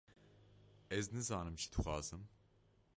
Ez nizanim çi dixwazim.